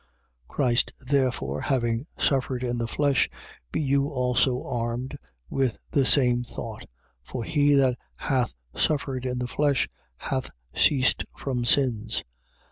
4:1. Christ therefore having suffered in the flesh, be you also armed with the same thought: for he that hath suffered in the flesh hath ceased from sins: 4:2.